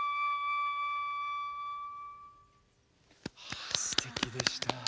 ああすてきでした。